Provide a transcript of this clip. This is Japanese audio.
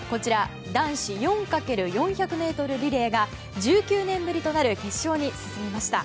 男子４×４００ｍリレーが１９年ぶりとなる決勝に進みました。